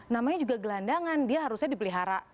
namanya juga gelandangan dia harusnya dipelihara